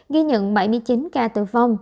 ghi nhận bảy mươi chín ca tử vong